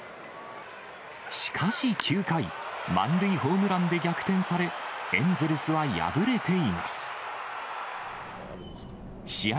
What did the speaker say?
しかし９回、満塁ホームランで逆転され、エンゼルスは敗れています。